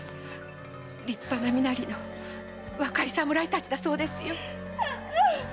立派な身なりの若い侍たちだそうですよ。